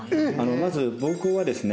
まず膀胱はですね